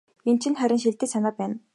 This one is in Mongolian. Энэ чинь харин шилдэг санаа байна.